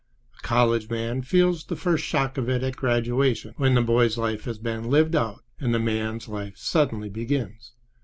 A college man feels the first shock of it at graduation, when the boy's life has been lived out and the man's life suddenly begins.